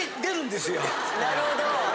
なるほど。